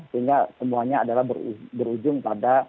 sehingga semuanya adalah berujung pada